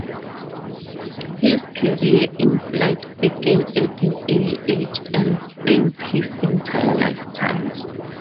His career in flight began at an early age, and spans his entire lifetime.